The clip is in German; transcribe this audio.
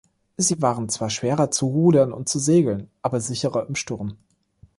Sie waren zwar schwerer zu rudern und zu segeln, aber sicherer im Sturm.